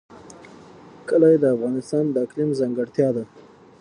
کلي د افغانستان د اقلیم ځانګړتیا ده.